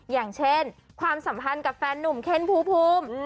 อย่างเช่นความสัมพันธ์กับแฟนนุ่มเคนภูมิ